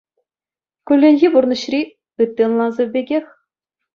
"Кулленхи пурнӑҫри" ытти ӑнлавсем пекех,